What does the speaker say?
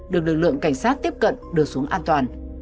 được lực lượng cảnh sát tiếp cận đưa xuống an toàn